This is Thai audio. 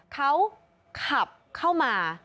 เขาขับเข้ามา